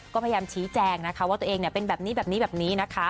ก็พยายามชี้แจงนะคะว่าตัวเองเป็นแบบนี้แบบนี้แบบนี้นะคะ